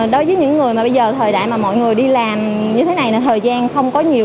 đối với những người mà bây giờ thời đại mà mọi người đi làm như thế này là thời gian không có nhiều